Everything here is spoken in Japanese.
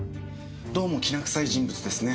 どうもきな臭い人物ですね。